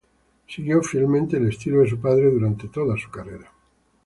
Siguió fielmente el estilo de su padre durante toda su carrera.